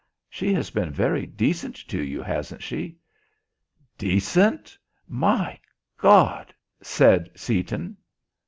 She has been very decent to you, hasn't she?" "'Decent'? My God!" said Seaton.